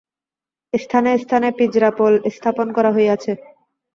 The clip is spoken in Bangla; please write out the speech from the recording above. স্থানে স্থানে পিঁজরাপোল স্থাপন করা হইয়াছে।